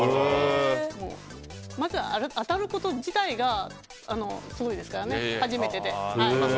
まずは当たること自体がすごいですからね、初めてで。